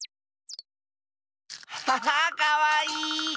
アハハッかわいい！